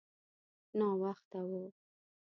ناوخته و.